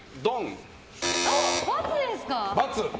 ×ですか！